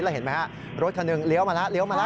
เราเห็นไหมฮะรถทั้ง๑เหลวมาแล้วเหลวใหม่หลัก